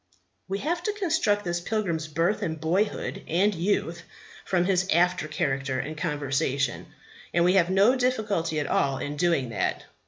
We have to construct this pilgrim's birth and boyhood and youth from his after character and conversation; and we have no difficulty at all in doing that.